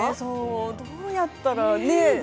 どうやったら。